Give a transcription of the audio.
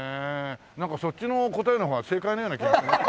なんかそっちの答えの方が正解のような気が。